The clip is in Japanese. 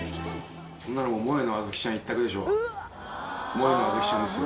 そんなのもえのあずきちゃんですよ